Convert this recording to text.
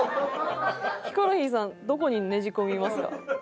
ヒコロヒーさんどこにねじ込みますか？